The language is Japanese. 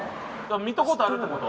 見たことあるってこと？